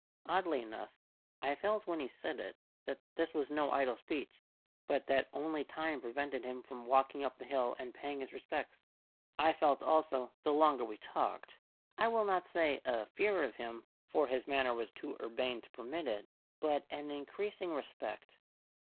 Oddly enough, I felt when he said it that this was no idle speech, but that only time prevented him from walking up the hill and paying his respects. I felt also, the longer we talked, I will not say a fear of him, for his manner was too urbane to permit it, but an increasing respect.